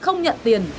không nhận tiền